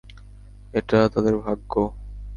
এটা তাদের ভাগ্য।